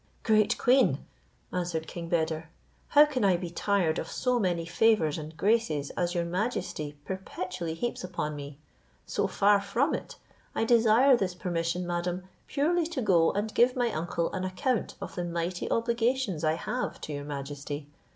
"Great queen!" answered king Beder, "how can I be tired of so many favours and graces as your majesty perpetually heaps upon me? So far from it, I desire this permission, madam, purely to go and give my uncle an account of the mighty obligations I have to your majesty.